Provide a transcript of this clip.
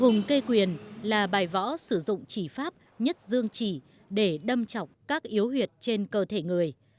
hùng kê quyền là bài võ sử dụng chỉ pháp nhất dương chỉ để đâm trọng các yếu huyệt trên cơ thể người